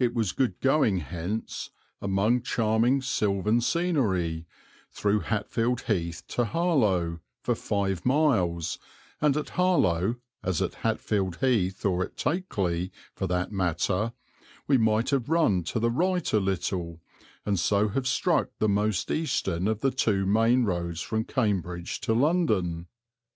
It was good going hence, among charming sylvan scenery, through Hatfield Heath to Harlow, for five miles, and at Harlow, as at Hatfield Heath or at Takeley for that matter, we might have run to the right a little and so have struck the most eastern of the two main roads from Cambridge to London.